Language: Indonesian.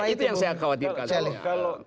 itu yang saya khawatirkan